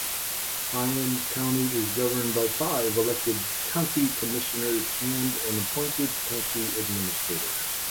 Highlands County is governed by five elected County Commissioners and an appointed County Administrator.